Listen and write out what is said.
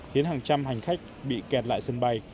khiến hàng trăm hành khách bị kẹt lại sân bay